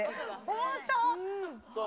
本当？